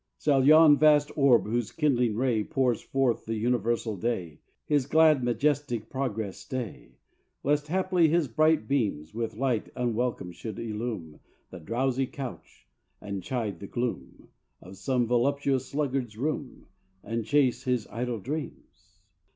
Shall yon vast orb whose kindling ray Pours forth the universal day His glad, majestic progress stay, Lest, haply, his bright beams With light unwelcome should illume The drowsy couch, and chide the gloom Of some voluptuous sluggard's room, And chase his idle dreams?